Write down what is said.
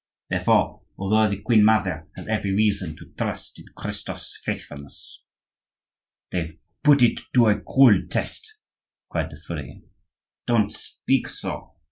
Therefore, although the queen mother has every reason to trust in Christophe's faithfulness—" "They've put it to a cruel test!" cried the furrier. "Don't speak so!